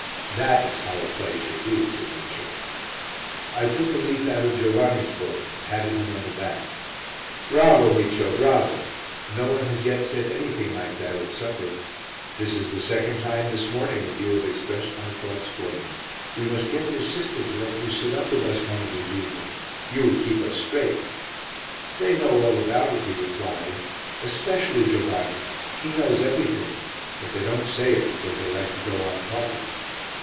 "That is how a play should be," said Micio. I took a leaf out of Giovanni's book and patted him on the back. "Bravo, Micio, bravo! No one has yet said anything like that at supper. This is the second time this morning that you have expressed my thoughts for me. We must get your sister to let you sit up with us one of these evenings. You would keep us straight." "They know all about it," he replied, "especially Giovanni, he knows everything. But they don't say it because they like to go on talking."